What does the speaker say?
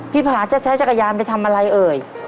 ผาจะใช้จักรยานไปทำอะไรเอ่ย